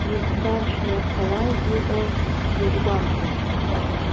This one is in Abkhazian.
Рыҽкаршәны иаԥхьалааит иҟоу зызгәамҭо.